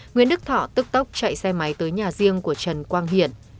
nguyễn đức thọ tức tốc chạy xe máy tới nhà riêng của trần quang hiển